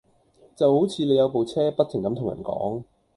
就好似你有部車，不停咁同人講